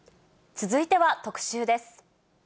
続いては特集です。